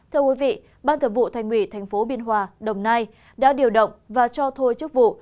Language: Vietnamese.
thưa quý vị ban thượng vụ thành ủy tp hcm đồng nai đã điều động và cho thôi chức vụ